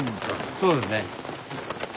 そうですね。